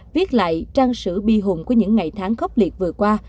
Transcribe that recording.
viết lại trang sử bi hùng của những ngày tháng khốc liệt vừa qua